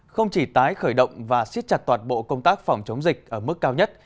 không chỉ tái khởi động và xít chặt toàn bộ công tác phòng chống dịch ở mức cao nhất